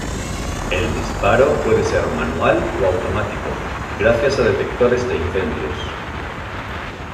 El disparo puede ser manual o automático gracias a detectores de incendios.